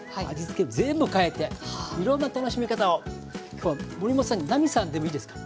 今日は守本さん奈実さんでもいいですか？